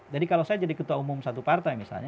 jadi kalau saya jadi ketua umum satu partai misalnya